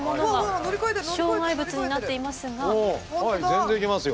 全然行けますよ。